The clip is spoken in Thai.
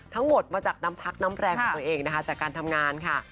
ทั้งหมดมาจากน้ำพักน้ำแรงของตัวเองนะคะจากการทำงานค่ะ